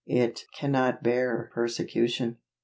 It cannot bear persecution.